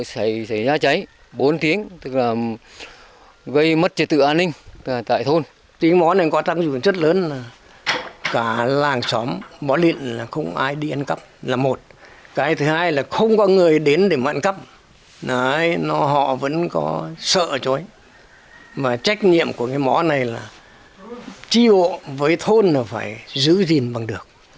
sợ chối mà trách nhiệm của cái mõ này là chi hộ với thôn là phải giữ gìn bằng được